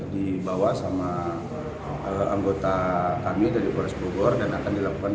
dibawa sama anggota kami dari polres bogor dan akan dilakukan